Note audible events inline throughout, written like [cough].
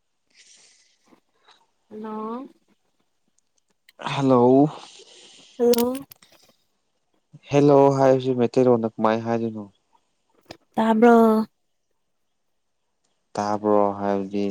[inaudible] hello hello hello hello ꯍꯥꯏꯕꯁꯤ ꯃꯩꯇꯩꯔꯣꯟꯗ ꯀꯃꯥꯏꯟ ꯍꯥꯏꯗꯣꯏꯅꯣ ꯇꯕ꯭ꯔꯣ ꯇꯥꯕ꯭ꯔꯣ ꯍꯥꯏꯕꯗꯤ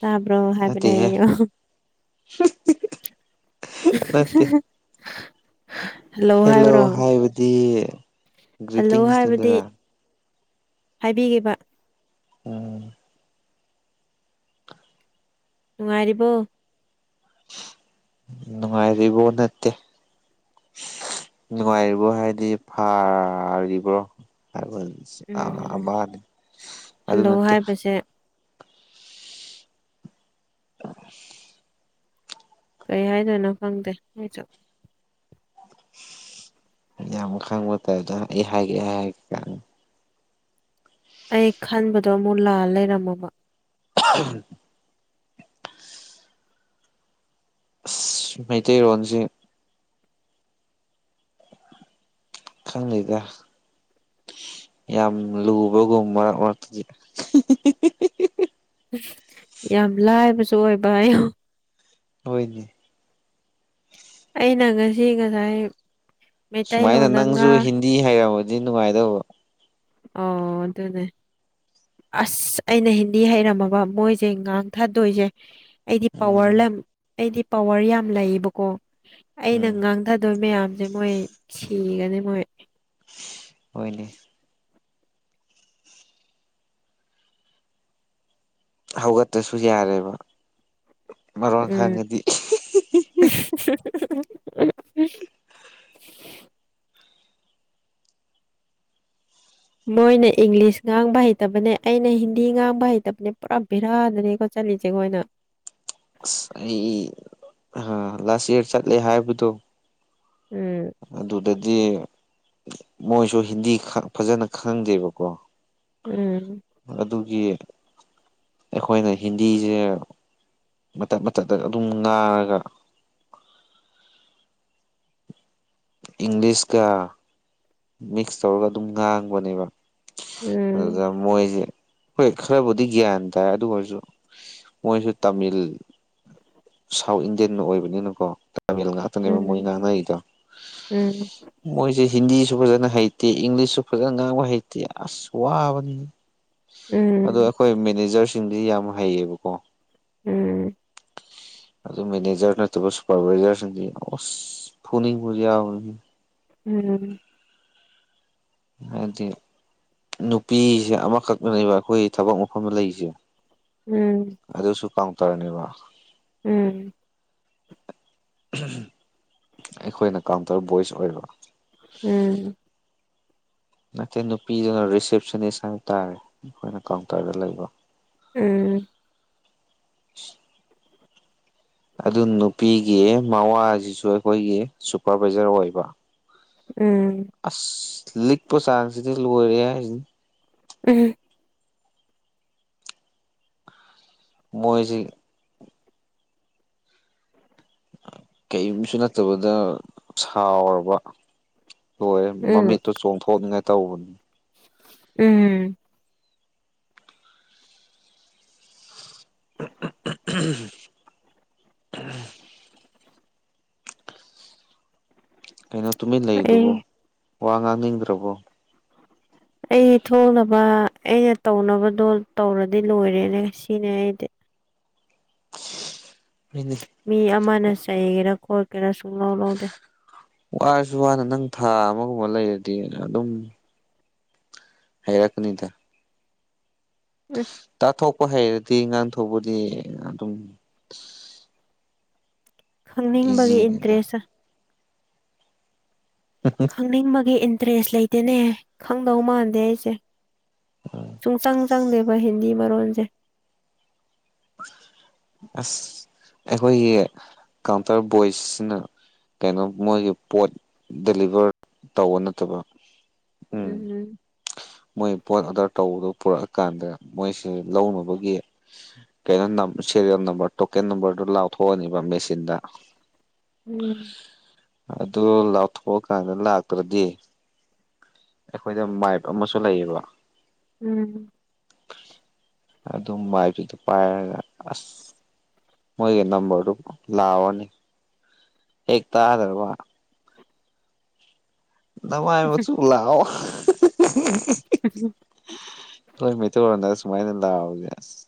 ꯇꯥꯕ꯭ꯔꯣ ꯍꯥꯏꯕꯅꯦ ꯅꯠꯇꯦꯍꯦ ꯑꯩ [inaudible] ꯅꯠꯇꯦ ꯍꯦꯜꯂꯣ ꯍꯥꯏꯕꯗꯤ ꯍꯜꯂꯣ ꯍꯥꯏꯕꯗꯤ ꯒ꯭ꯔꯤꯇꯤꯡꯁꯅꯤꯗꯅ ꯍꯥꯏꯕꯤꯒꯦꯕ ꯎꯝ ꯅꯨꯡꯉꯥꯏꯔꯤꯕꯣ ꯅꯨꯡꯉꯥꯏꯔꯤꯕꯣ ꯅꯠꯇꯦ ꯅꯨꯡꯉꯥꯏꯔꯤꯕꯣ ꯍꯥꯏꯗꯤ ꯐꯥ ꯔꯤꯕ꯭ꯔꯣ ꯍꯥꯏꯕꯟ ꯑꯁ ꯑꯃ ꯎꯝ ꯑꯃꯟ ꯑꯗꯨ ꯍꯜꯂꯣ ꯅꯠꯇꯦ ꯍꯥꯏꯕꯁꯦ [inaudible] ꯀꯩ ꯍꯥꯏꯗꯣꯏꯅꯣ ꯈꯪꯗꯦ ꯑꯩꯖꯣ ꯌꯥꯝ ꯈꯪꯕ ꯇꯥꯏꯗ ꯑꯩ ꯍꯥꯏꯒꯦ ꯑꯩ ꯍꯥꯏ ꯍꯥꯏꯒꯦ ꯑꯩ ꯈꯟꯕꯗꯣ ꯑꯃꯨꯛ ꯂꯥꯜ ꯂꯩꯔꯝꯃꯕ [unintelligible] ꯑꯁ ꯃꯩꯇꯩꯔꯣꯟꯁꯦ ꯈꯪꯗꯦꯗꯥ ꯌꯥꯝ ꯂꯨꯕꯒꯨꯝ ꯃꯔꯛ ꯃꯔꯛꯇꯗꯤ [unintelligible] ꯌꯥꯝ ꯂꯥꯏꯕꯁꯨ ꯑꯣꯏꯕ ꯍꯥꯏꯌꯣ ꯍꯣꯏꯅꯦ ꯑꯩꯅ ꯉꯁꯤ ꯉꯁꯥꯏ ꯃꯩꯇꯩꯂꯣꯟꯗꯒ ꯉꯥ ꯗꯤ ꯍꯩꯔꯝꯃꯗꯤ ꯅꯨꯡꯉꯥꯏꯗꯧꯕ ꯑꯣ ꯑꯗꯨꯅꯦ ꯑꯁ ꯑꯩꯅ ꯍꯤꯟꯗꯤ ꯍꯩꯔꯝꯃꯕ ꯃꯣꯏꯖꯦ ꯉꯥꯡꯊꯗꯣꯏꯖꯦ ꯑꯩꯗꯤ ꯎꯝ ꯄꯋꯥꯔ ꯂꯝ ꯑꯩꯗꯤ ꯄꯋꯥꯔ ꯌꯥꯝ ꯂꯩꯌꯦꯕꯀꯣ ꯑꯩꯅ ꯎꯝ ꯉꯥꯡꯙꯗꯣꯏ ꯃꯌꯥꯝꯖꯦ ꯃꯣꯏ ꯁꯤꯒꯅꯤ ꯃꯣꯏ ꯍꯣꯏꯅꯦ ꯍꯧꯒꯠꯇꯁꯨ ꯌꯥꯔꯦꯕ ꯃꯔꯣꯟ ꯎꯝ ꯈꯪꯉꯗꯤ ꯃꯣꯏꯅ ꯏꯪꯂꯤꯁ ꯉꯥꯡꯕ ꯍꯩꯇꯕꯅꯦ ꯑꯩꯅ ꯍꯤꯟꯗꯤ ꯉꯥꯡꯕ ꯍꯩꯇꯕꯅꯦ ꯄꯨꯔꯥ ꯕꯦꯔꯥꯗꯅꯦꯀꯣ ꯆꯠꯂꯤꯖꯦ ꯒꯣꯏꯅ ꯑꯁ ꯑꯩ ꯂꯥꯁ ꯏꯌꯥꯔ ꯆꯠꯂꯦ ꯍꯥꯏꯕꯗꯣ ꯎꯝ ꯑꯗꯨꯗꯗꯤ ꯃꯣꯏꯁꯨ ꯍꯤꯟꯗꯤ ꯈ ꯐꯖꯅ ꯈꯪꯗꯦꯕꯀꯣ ꯎꯝ ꯑꯗꯨꯒꯤ ꯑꯩꯈꯣꯏꯅ ꯍꯤꯟꯗꯤꯖꯦ ꯃꯇꯠ ꯃꯇꯠ ꯇꯠ ꯑꯗꯨꯝ ꯉꯅꯥꯔꯒ ꯏꯪꯂꯤꯁꯀ ꯃꯤꯛꯁ ꯇꯧꯔꯒ ꯑꯗꯨꯝ ꯉꯥꯡꯕꯅꯦꯕ ꯎꯝ ꯑꯗꯨꯗ ꯃꯣꯏꯖꯦ ꯍꯣꯏ ꯈꯔꯕꯨꯗꯤ ꯒ꯭ꯌꯥꯟ ꯇꯥꯏ ꯑꯗꯨ ꯑꯣꯏꯔꯁꯨ ꯃꯣꯏꯖꯨ ꯇꯥꯃꯤꯜ ꯁꯥꯎꯠ ꯏꯟꯗꯤꯌꯥꯟ ꯑꯣꯏꯕꯅꯤꯅꯀꯣ ꯇꯥꯃꯤꯜ ꯉꯥꯛꯇꯅꯦꯕ ꯃꯣꯏ ꯎꯝ ꯉꯥꯡꯅꯔꯤꯗꯣ ꯎꯝ ꯃꯣꯏꯖꯦ ꯍꯤꯟꯗꯤꯖꯨ ꯐꯖꯅ ꯍꯩꯇꯦ ꯏꯪꯂꯤꯁꯁꯨ ꯐꯖꯅ ꯉꯥꯡꯕ ꯍꯩꯇꯦ ꯑꯁ ꯋꯥꯕꯅꯤ ꯎꯝ ꯈꯣꯏ ꯃꯦꯅꯦꯖꯔꯁꯤꯡꯗꯤ ꯌꯥꯝ ꯍꯩꯌꯦꯕꯀꯣ ꯎꯝ ꯑꯗꯣ ꯃꯦꯅꯦꯖꯔ ꯅꯠꯇꯕ ꯁꯨꯄꯔꯚꯥꯏꯖꯔꯁꯤꯡꯗꯤ ꯑꯁ ꯐꯨꯅꯤꯡꯕ ꯌꯥꯎꯋꯤ ꯎꯝ ꯍꯥꯏꯗꯤ ꯅꯨꯄꯤꯖꯦ ꯑꯃꯈꯛꯅꯦꯕ ꯑꯩꯈꯣꯏ ꯊꯕꯛ ꯃꯐꯝꯗ ꯂꯩꯖꯦ ꯎꯝ ꯑꯗꯨꯁꯨ ꯀꯥꯎꯟꯇꯔꯅꯦꯕ ꯎꯝ ꯑꯩꯈꯣꯏꯅ ꯀꯥꯎꯟꯇꯔ ꯚꯣꯏꯁ ꯑꯣꯏꯕ ꯎꯝ ꯅꯠꯇꯦ ꯅꯨꯄꯤꯗꯨꯅ ꯔꯤꯁꯦꯞꯁꯅꯤꯁ ꯍꯥꯏꯕ ꯇꯥꯔꯦ ꯑꯩꯈꯣꯏꯅ ꯀꯥꯎꯟꯇꯔꯗ ꯂꯩꯕ ꯎꯝ [inaudible] ꯑꯗꯨ ꯅꯨꯄꯤꯒꯤ ꯃꯋꯥꯖꯤꯁꯨ ꯑꯩꯈꯣꯏꯒꯤ ꯁꯨꯄꯔꯚꯥꯏꯖꯔ ꯑꯣꯏꯕ ꯎꯝ ꯑꯁ ꯂꯤꯛꯄ ꯆꯥꯡꯁꯤꯗꯤ ꯂꯣꯏꯔꯦ ꯍꯥꯏꯖꯤꯅꯤ ꯎꯝ ꯃꯣꯏꯁꯤ ꯀꯩꯝꯁꯨ ꯅꯠꯇꯕꯗ ꯁꯥꯎꯔꯕ ꯂꯣꯏꯔꯦ ꯎꯝ ꯃꯃꯤꯠꯇꯨ ꯆꯣꯡꯊꯣꯛꯅꯤꯡꯉꯥꯏ ꯇꯧꯕꯅꯤ ꯎꯝ [unintelligible] ꯀꯩꯅꯣ ꯇꯨꯃꯤꯟ ꯑꯩ ꯂꯩꯔꯤꯗꯨꯕꯣ ꯋꯥ ꯉꯥꯡꯅꯤꯡꯗ꯭ꯔꯕꯣ ꯑꯩ ꯊꯣꯡꯅꯕ ꯑꯩꯅ ꯇꯧꯅꯕꯗꯣ ꯇꯧꯔꯗꯤ ꯂꯣꯏꯔꯦꯅꯦ ꯁꯤꯅꯦ ꯑꯩꯗꯤ [unintelligible] ꯃꯤ ꯑꯃꯅ ꯆꯩꯒꯦꯔꯥ ꯈꯣꯠꯀꯦꯔꯥ ꯁꯨꯡꯂꯧ ꯂꯧꯗꯦ ꯋꯥꯔꯁꯨ ꯋꯥꯅ ꯅꯪ ꯊꯥ ꯑꯃꯒꯨꯝꯕ ꯂꯩꯔꯗꯤꯅ ꯑꯗꯨꯝ ꯍꯩꯔꯛꯀꯅꯤꯗ ꯎꯝ ꯇꯥꯊꯣꯛꯄ ꯍꯩꯔꯗꯤ ꯉꯥꯡ ꯊꯣꯛꯄꯗꯤ ꯑꯗꯨꯝ ꯈꯪꯅꯤꯡꯕꯒꯤ ꯏꯖꯤꯅꯤꯗ ꯏꯟꯇꯔꯦꯁꯇ ꯈꯪꯅꯤꯡꯕꯒꯤ ꯏꯟꯇꯔꯦꯁ ꯂꯩꯇꯦꯅꯦꯍ ꯈꯪꯗꯧ ꯃꯥꯟꯗꯦ ꯑꯩꯁꯦ ꯁꯨꯡꯆꯪ ꯆꯪꯗꯦꯕ ꯍꯤꯟꯗꯤ ꯃꯔꯣꯟꯁꯦ ꯑꯁ ꯑꯩꯈꯣꯏꯒꯤ ꯀꯥꯎꯟꯇꯔ ꯕꯣꯏꯁꯁꯤꯅ ꯀꯩꯅꯣ ꯃꯣꯏꯒꯤ ꯄꯣꯠ ꯗꯦꯂꯤꯚꯔ ꯇꯧꯕ ꯅꯠꯇꯕ ꯎꯝ ꯎꯝ ꯃꯣꯏ ꯄꯣꯠ ꯑꯣꯗꯔ ꯇꯧꯕꯗꯣ ꯄꯨꯔꯛꯑꯀꯥꯟꯗ ꯃꯣꯏꯁꯦ ꯂꯧꯅꯕꯒꯤ ꯀꯩꯅꯣ ꯅꯥꯞ ꯁꯦꯔꯤꯌꯦꯜ ꯅꯝꯕꯔ ꯇꯣꯀꯦꯟ ꯅꯝꯕꯔꯗꯨ ꯂꯥꯎꯊꯣꯛꯑꯅꯤꯕ ꯃꯦꯆꯤꯟꯗ ꯎꯝ ꯑꯗꯨ ꯂꯥꯎꯊꯣꯛꯑꯀꯥꯟꯗ ꯂꯥꯛꯇ꯭ꯔꯗꯤ ꯑꯩꯈꯣꯏꯗ ꯃꯥꯏꯞ ꯑꯃꯁꯨ ꯂꯩꯌꯦꯕ ꯎꯝ ꯑꯗꯨꯝ ꯃꯥꯏꯁꯨꯗ ꯄꯥꯏꯔꯒ ꯑꯁ ꯃꯣꯏꯒꯤ ꯅꯝꯕꯔꯗꯨ ꯂꯥꯛꯑꯣꯅꯤ ꯍꯦꯛ ꯇꯥꯗ꯭ꯔꯕ ꯂꯥꯋꯥꯏ ꯃꯆꯨ ꯂꯑꯣ ꯇꯣꯏ ꯃꯩꯇꯩ ꯂꯣꯟꯗ ꯑꯁꯨꯃꯥꯏ ꯂꯥꯎꯖꯦ ꯑꯁ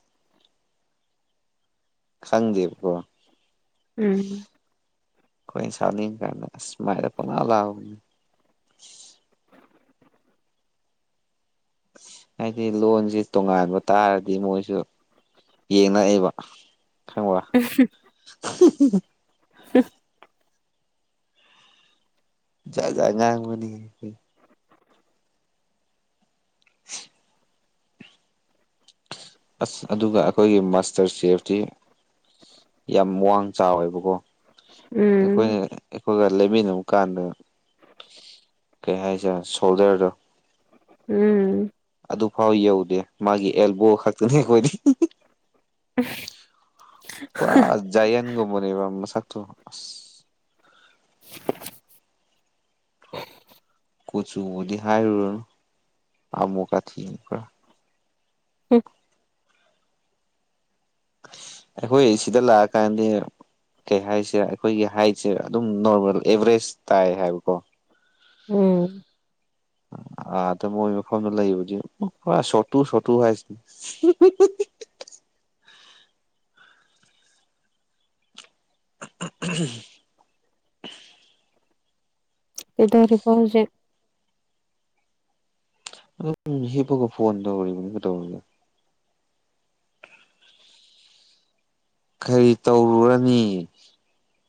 ꯈꯪꯗꯦꯕꯀꯣ ꯎꯝ ꯑꯩꯈꯣꯏ ꯁꯥꯎꯅꯤꯡ ꯀꯥꯟꯗ ꯑꯁꯨꯃꯥꯏꯅ ꯄꯨꯂꯥꯎ ꯂꯥꯎꯕꯅꯤ ꯍꯥꯏꯗꯤ ꯂꯣꯟꯁꯤ ꯇꯣꯉꯥꯟꯕ ꯇꯥꯔꯗꯤ ꯃꯣꯏꯁꯨ ꯌꯦꯡꯅꯑꯦꯕ ꯈꯪꯕ [unintelligible] [unintelligible] [inaudible] ꯖꯥꯠ ꯖꯥꯠ ꯉꯥꯡꯕꯅꯤ [inaudible] ꯑꯁ ꯑꯗꯨꯒ ꯑꯈꯣꯏꯒꯤ ꯃꯥꯁꯇꯔ ꯆꯦꯐꯇꯤ ꯌꯥꯝ ꯋꯥꯡ ꯆꯥꯎꯋꯦꯕꯀꯣ ꯎꯝ ꯑꯈꯣꯏꯅ ꯑꯈꯣꯏꯒ ꯂꯩꯃꯤꯟꯅꯕ ꯀꯥꯟꯗ ꯀꯩ ꯍꯥꯏꯁꯤꯔ ꯁꯣꯜꯗꯔꯗꯣ ꯎꯝ ꯑꯗꯨꯐꯥꯎ ꯌꯧꯗꯦ ꯃꯥꯒꯤ ꯑꯦꯜꯕꯣ ꯈꯛꯇꯅꯤ ꯑꯈꯣꯏꯗꯤ [unintelligible] ꯄꯨꯔꯥ ꯖꯥꯏꯑꯦꯟꯒꯨꯝꯕꯅꯦꯕ ꯃꯁꯥꯛ ꯇꯣ [inaudible] ꯀꯨꯆꯨꯕꯨꯗꯤ ꯍꯥꯏꯔꯨꯔꯅꯨ ꯑꯃꯨꯀꯥꯊꯤꯅꯤ ꯄꯨꯔꯥ ꯍꯝ ꯑꯈꯣꯏꯁꯤꯗ ꯂꯥꯛꯑ ꯀꯥꯟꯗꯤ ꯀꯩ ꯍꯥꯏꯁꯤꯔ ꯑꯩꯈꯣꯏꯒꯤ ꯍꯥꯏꯠꯁꯦ ꯑꯗꯨꯝ ꯅꯣꯔꯃꯦꯜ ꯑꯦꯚꯔꯦꯖ ꯇꯥꯏ ꯍꯥꯏꯕꯀꯣ ꯎꯝ ꯑꯥꯗ ꯃꯣꯏ ꯃꯐꯝꯗ ꯂꯩꯕꯗꯤ ꯁꯣꯠꯇꯨ ꯁꯣꯠꯇꯨ ꯍꯥꯏꯁꯤꯅꯤ [unintelligible] ꯀꯩꯗꯧꯔꯤꯕ ꯍꯧꯖꯤꯛ ꯑꯗꯨꯝ ꯍꯤꯞꯄꯒ ꯐꯣꯟ ꯇꯧꯔꯤꯕꯅꯤ ꯀꯩꯗꯧꯔꯒꯦ ꯀꯔꯤ ꯇꯧꯔꯨꯔꯅꯤ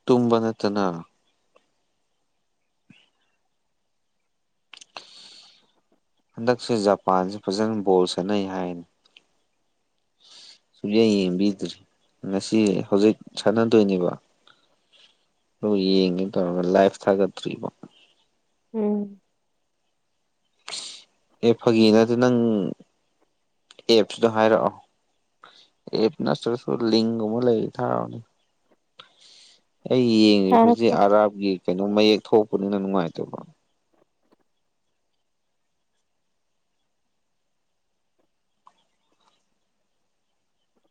ꯇꯨꯝꯕ ꯅꯠꯇꯅ ꯍꯟꯗꯛꯁꯦ ꯖꯄꯥꯟꯖꯦ ꯐꯖꯅ ꯕꯣꯜ ꯁꯥꯅꯩ ꯍꯥꯏꯅꯤ ꯁꯨꯌꯦꯡ ꯌꯦꯡꯕꯤꯗ꯭꯭ꯔꯤ ꯉꯁꯤ ꯍꯧꯖꯤꯛ ꯁꯥꯟꯅꯗꯣꯏꯅꯦꯕ ꯑꯗꯨ ꯌꯦꯡꯒꯦ ꯇꯧꯔꯒ ꯂꯥꯏꯐ ꯊꯥꯒꯠꯇ꯭ꯔꯤꯕꯣ ꯎꯝ ꯑꯦ ꯐꯥꯒꯤ ꯅꯠꯇꯦ ꯅꯪ ꯑꯦꯞꯁꯗꯣ ꯍꯥꯏꯔꯛꯑꯣ ꯑꯦꯞ ꯅꯠꯇꯔꯁꯨ ꯂꯤꯡꯒꯨꯕ ꯂꯩꯔꯗꯤ ꯊꯥꯔꯛꯑꯣꯅꯦ ꯑꯩ ꯌꯦꯡꯉꯤꯕꯖꯤ ꯊꯥꯔꯛꯀꯦ ꯑꯔꯥꯞꯀꯤ ꯀꯩꯅꯣ ꯃꯌꯦꯛ ꯊꯣꯛꯄꯅꯤꯅ ꯅꯨꯡꯉꯥꯏꯇꯕ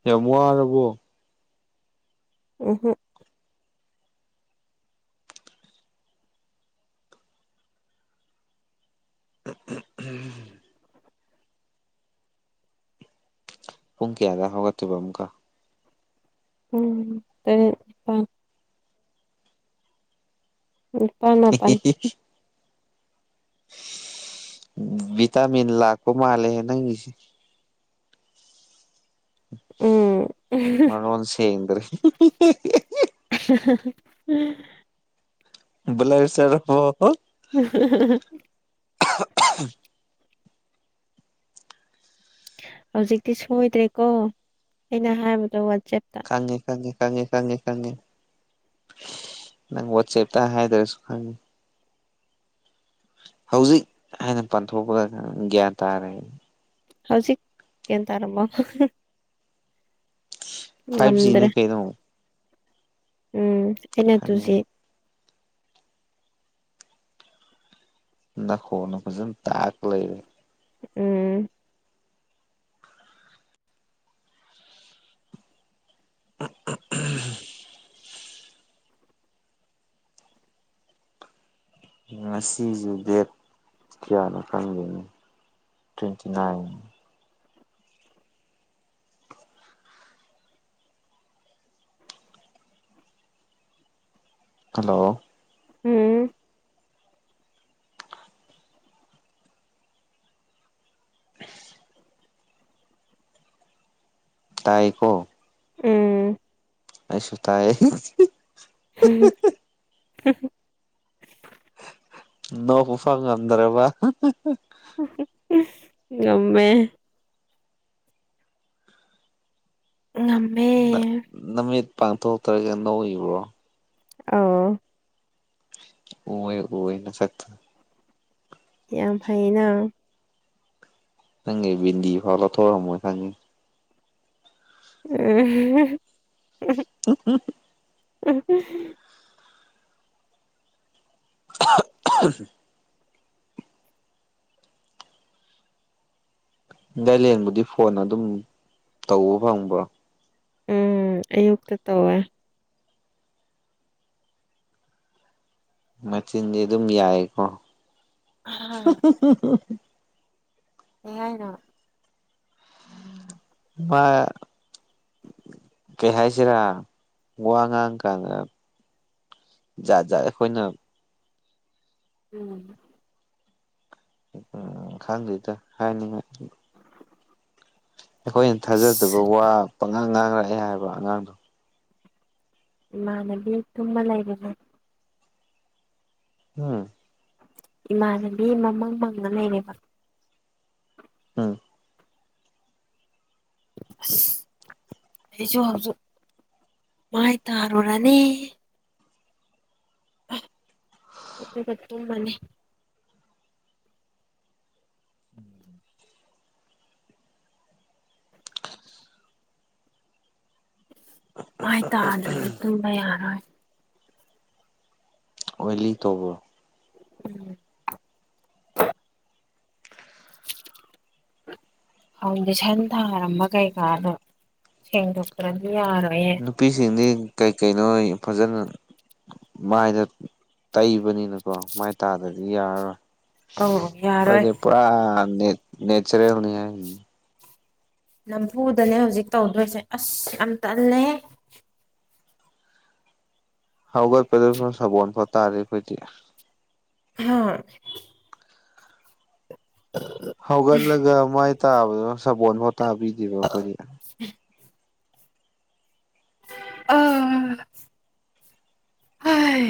ꯌꯥꯝ ꯋꯥꯔꯕꯣ ꯎꯝꯍꯝ [unintelligible] ꯄꯨꯡ ꯀꯌꯥꯗ ꯍꯧꯒꯠꯇꯣꯏꯕ ꯑꯃꯨꯛꯀ ꯄꯨꯛ ꯇꯔꯦꯠ ꯅꯤꯄꯥꯟ ꯅꯤꯄꯥꯟ ꯃꯄꯥꯟ ꯚꯤꯇꯥꯝꯤꯟ ꯂꯥꯛꯄ ꯃꯥꯟꯂꯦ ꯍꯦ ꯅꯪꯒꯤꯁꯤ ꯎꯝ ꯃꯥꯔꯣꯜ ꯁꯦꯡꯗ꯭ꯔꯦ [unintelligible] ꯕ꯭ꯂꯔ ꯆꯠꯂꯕꯦ [unintelligible] ꯍꯧꯖꯤꯛꯇꯤ ꯁꯣꯏꯗ꯭ꯔꯦꯀꯣ ꯑꯩꯅ ꯍꯥꯏꯕꯗꯣ ꯋꯥꯠꯁꯑꯦꯞꯇ ꯈꯪꯉꯦ ꯈꯪꯉꯦ ꯈꯪꯉꯦ ꯈꯪꯉꯦ ꯈꯪꯉꯦ ꯅꯪ ꯋꯥꯠꯁꯑꯦꯞꯇ ꯍꯥꯏꯗ꯭ꯔꯁꯨ ꯈꯪꯉꯦ ꯍꯧꯖꯤꯛ ꯍꯥꯏꯅ ꯄꯟꯊꯣꯛꯄꯗ ꯒ꯭ꯌꯥꯟ ꯇꯥꯔꯦ ꯍꯧꯖꯤꯛ ꯒ꯭ꯌꯥꯟꯇꯥꯔꯕꯣ ꯐꯥꯏꯚ ꯖꯤꯅ ꯉꯝꯗ꯭ꯔꯦ ꯀꯩꯅꯣ ꯎꯝ ꯑꯩꯅ ꯈꯪꯉꯦ ꯇꯨꯁꯤ ꯅꯈꯣꯟꯗꫭ ꯐꯖꯅ ꯇꯥꯛ ꯂꯩꯔꯦ ꯎꯝ [unintelligible] ꯉꯁꯤꯁꯨ ꯗꯦꯠ ꯀꯌꯥꯅꯣ ꯈꯪꯗꯦꯅꯦ ꯇ꯭ꯋꯦꯟꯇꯤ ꯅꯥꯏꯟ ꯍꯜꯂꯣ ꯎꯝ ꯇꯥꯏꯀꯣ ꯎꯝ ꯑꯩꯁꯨꯨ ꯇꯥꯏꯌꯦ [unintelligible] ꯅꯣꯛꯄ ꯐꯥꯎ ꯉꯝꯗ꯭ꯔꯕ ꯉꯝꯃꯦ ꯉꯝ ꯅ ꯅꯃꯤꯠ ꯄꯥꯡꯊꯣꯛꯇ꯭ꯔꯒ ꯅꯣꯛꯏꯕ꯭ꯔꯣ [unintelligible] ꯑꯣꯋꯦ ꯑꯣꯋꯦ [unintelligible] ꯌꯥꯝ ꯐꯩꯅꯥ ꯅꯪꯒꯤ ꯕꯤꯟꯗꯤꯐꯥꯎ ꯂꯧꯊꯣꯛꯑꯝꯃꯣꯏ ꯈꯪꯏ [unintelligible] [unintelligible] [unintelligible] [unintelligible] ꯗꯥꯥꯏ [unintelligible] ꯐꯣꯟ ꯑꯗꯨꯝ ꯇꯧꯕ ꯐꯪꯕ꯭ꯔꯣ ꯎꯝ ꯑꯌꯨꯛꯇ ꯇꯧꯋꯦ ꯃꯆꯤꯟꯗꯤ ꯑꯗꯨꯝ ꯌꯥꯏꯀꯣ [unintelligible] [unintelligible] ꯅꯣ ꯃꯥ ꯀꯩ ꯍꯥꯏꯁꯤꯔꯥ ꯋꯥ ꯉꯥꯡꯀꯥꯟꯗ ꯖꯥꯠ ꯖꯥꯠ ꯑꯩꯈꯣꯏꯅ [unintelligible] [unintelligible] ꯈꯪꯗꯦꯗ ꯍꯥꯏꯅꯤꯡꯉꯤ ꯑꯩꯈꯣꯏꯅ ꯊꯥꯖꯗꯕ ꯑꯁ ꯋꯥ ꯄꯪꯉꯥꯡ ꯉꯥꯡꯔꯛꯑꯦ ꯍꯥꯏꯕ ꯑꯉꯥꯡꯗꯨ ꯏꯃꯥꯟꯅꯕꯤꯃ ꯇꯨꯝꯃ ꯂꯩꯕꯅꯦ ꯍꯨꯝ ꯏꯃꯥꯟꯅꯕꯤ ꯃꯃꯪ ꯃꯪꯉ ꯂꯩꯔꯦꯕ [unintelligible] [unintelligible] ꯑꯩꯁꯨ ꯍꯧꯖꯤꯛ ꯃꯥꯥꯏ ꯇꯥꯔꯨꯔꯅꯤ [unintelligible] ꯑꯗꯨꯒ ꯇꯨꯝꯃꯅꯤ ꯃꯥꯏ ꯇꯥꯗ꯭ꯔꯗꯤ ꯇꯨꯝꯕ ꯌꯥꯔꯣꯏ ꯑꯣꯏꯂꯤ ꯇꯧꯕ꯭ꯔꯣ ꯎꯝ [inaudible] ꯐꯥꯎꯟꯗꯦꯁꯟ ꯊꯥꯔꯝꯕ ꯀꯩꯀꯥꯗꯨ ꯁꯦꯡꯗꯣꯛꯇ꯭ꯔꯗꯤ ꯌꯥꯔꯣꯏꯌꯦ ꯅꯨꯄꯤꯁꯤꯡꯗꯤ ꯀꯩ ꯀꯩꯅꯣ ꯐꯖꯅ ꯃꯥꯏꯗ ꯇꯩꯕꯅꯤꯅꯀꯣ ꯃꯥꯏ ꯇꯥꯗ꯭ꯔꯗꯤ ꯌꯥꯔꯔꯣꯏ ꯑꯧ ꯌꯥꯔꯣꯏ ꯑꯩꯈꯣꯏꯗꯤ ꯄꯨꯔꯥ ꯅꯦꯠ ꯅꯦꯆꯔꯦꯜꯅꯦꯍꯦ ꯅꯝꯐꯨꯗꯅꯦ ꯍꯧꯖꯤꯛ ꯇꯧꯗꯣꯏꯁꯦ ꯑꯁ ꯌꯥꯝ ꯇꯜꯂꯦꯍꯦ ꯍꯧꯒꯠꯄꯗ ꯐꯥꯎ ꯁꯥꯕꯣꯟꯐꯥꯎ ꯇꯥꯗ꯭ꯔꯤ ꯑꯩꯈꯣꯏꯗꯤ [unintelligible] ꯍꯧꯒꯠꯂꯒ ꯃꯥꯏ ꯇꯥꯕꯗꯣ ꯁꯥꯄꯣꯟꯐꯥꯎ ꯇꯥꯕꯤꯗꯦꯕ ꯑꯈꯣꯏꯗꯤ [inaudible] ꯑꯥ ꯍꯥꯏ